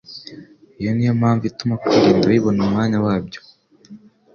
Iyo ni yo mpamvu ituma kwirinda bibona umwanya wabyo